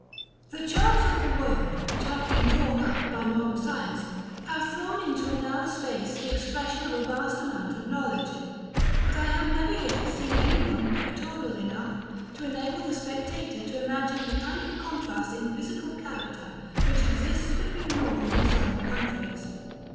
§ VIII. The charts of the world which have been drawn up by modern science have thrown into a narrow space the expression of a vast amount of knowledge, but I have never yet seen any one pictorial enough to enable the spectator to imagine the kind of contrast in physical character which exists between Northern and Southern countries.